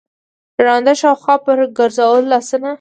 ړانده شاوخوا پر ګرځول لاسونه